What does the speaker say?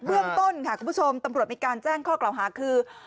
เรื่องต้นค่ะคุณผู้ชมตำรวจมีการแจ้งข้อกล่าวหาคือ